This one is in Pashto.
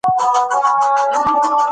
غلام ډیر قوي ایمان درلود.